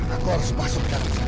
aku harus masuk datuk